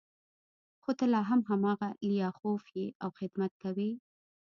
خو ته لا هم هماغه لیاخوف یې او خدمت کوې